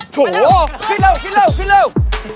โธ่คุ้นเร็วเอาคุ้นเร็ว